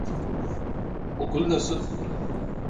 Okul nasıl?